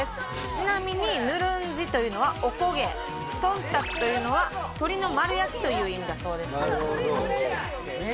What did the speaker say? ちなみにヌルンジというのはおこげトンタクというのは鶏の丸焼きという意味だそうです